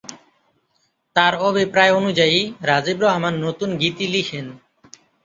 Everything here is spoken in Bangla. তার অভিপ্রায় অনুযায়ী রাজীব রহমান নতুন গীতি লিখেন।